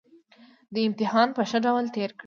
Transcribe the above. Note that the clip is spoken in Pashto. دا امتحان په ښه ډول تېر کړئ